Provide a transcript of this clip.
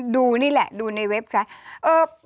ดูนี่แหละดูในเว็บไซต์